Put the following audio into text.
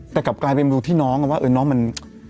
แต่กลับกลายเป็นดูที่น้องว่าน้องมัน